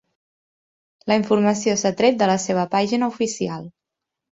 La informació s'ha tret de la seva pàgina oficial.